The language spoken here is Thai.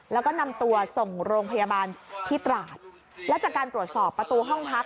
แล้วก็นำตัวส่งโรงพยาบาลที่ตราดแล้วจากการตรวจสอบประตูห้องพัก